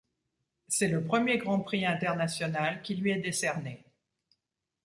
C'est le premier grand prix international qui lui est décerné.